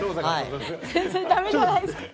全然、駄目じゃないですか。